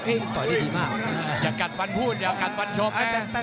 วันนี้เดี่ยงไปคู่แล้วนะพี่ป่านะ